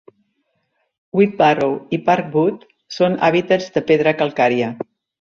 Whitbarrow i Park Wood són hàbitats de pedra calcària.